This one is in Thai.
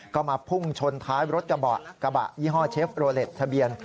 ก็มาพุ่งชนท้ายรถกระบะกระบะยี่ห้อเชฟโรเล็ตทะเบียน